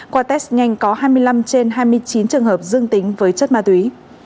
qua test nhanh có hai mươi năm trên hai mươi chín trường hợp dương tính với chất ma túy